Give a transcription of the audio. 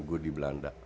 gue di belanda